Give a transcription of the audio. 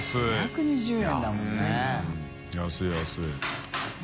安い安い。